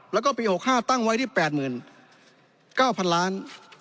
แล้วก็ปี๖๕ตั้งไว้ที่แปดหมื่นเก้าพันล้าน